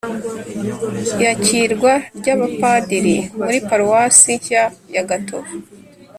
iyakirwa ry’abapadiri muri paruwasi nshya ya gatovu